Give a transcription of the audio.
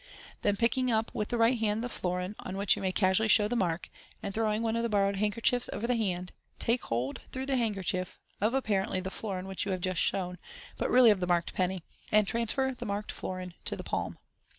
Then picking up with the right hand the florin, on which you may casually show the mark, and throwing one of the borrowed handkerchiefs over the hand, take hold (thro igh the handkerchief) of apparently the florin which you have just shown, but really of the marked penny, and transfer the marked florin to the palm.